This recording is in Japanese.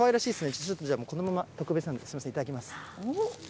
ちょっとじゃあ、このまま、特別なんで、すみません、いただきます。